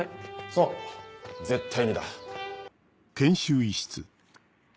そう絶対にだ。